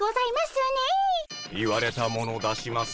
言われたもの出します。